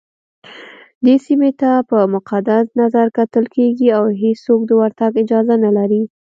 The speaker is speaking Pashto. دې سيمي ته په مقدس نظرکتل کېږي اوهيڅوک دورتګ اجازه نه لري